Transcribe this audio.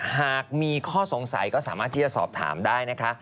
หากมีข้อสงสัยก็สามารถที่จะสอบถามได้นะคะ